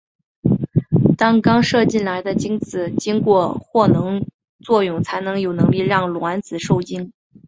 当刚射进来的精子经过获能作用才有能力让卵子授精。